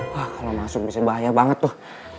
wah kalau masuk bisa bahaya banget tuh